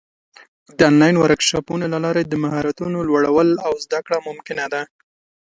د آنلاین ورکشاپونو له لارې د مهارتونو لوړول او زده کړه ممکنه ده.